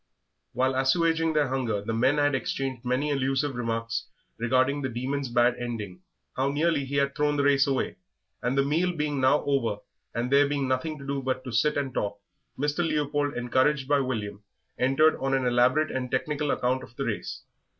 While assuaging their hunger the men had exchanged many allusive remarks regarding the Demon's bad ending, how nearly he had thrown the race away; and the meal being now over, and there being nothing to do but to sit and talk, Mr. Leopold, encouraged by William, entered on an elaborate and technical account of the race.